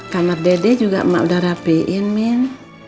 kamar dede juga emak udah rapiin min